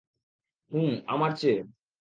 হুম, আমার চেয়ে।